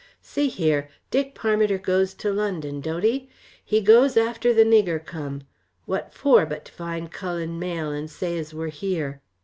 See here! Dick Parmiter goes to London, don't he? He goes after the nigger come; what for, but to find Cullen Mayle, and say as we're here?